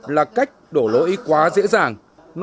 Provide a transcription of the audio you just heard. là cách đổ lỗi quá dễ dàng